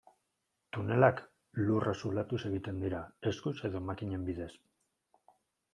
Tunelak, lurra zulatuz egiten dira, eskuz edo makinen bidez.